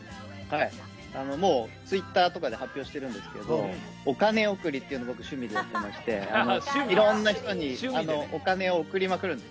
もうツイッターとかで発表してるんですけど、お金贈りっていうのを僕、趣味でやってまして、いろんな人に、お金を贈りまくるんです。